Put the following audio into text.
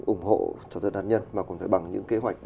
ủng hộ cho dân đàn nhân mà cũng phải bằng những kế hoạch